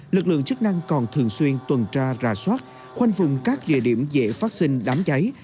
lực lượng chức năng còn thường xuyên tuần tra ra soát khoanh vùng các địa điểm dễ phát sinh đám cháy